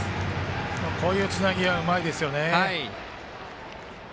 こういうつなぎはうまいですよね。